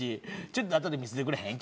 ちょっとあとで見せてくれへん？